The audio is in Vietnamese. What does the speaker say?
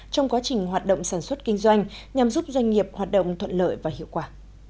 trong quá trình hoạt động sản xuất kinh doanh nhằm giúp doanh nghiệp hoạt động thuận lợi và hiệu quả